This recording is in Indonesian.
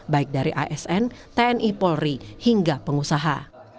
baik dari asn tni polri hingga pengusaha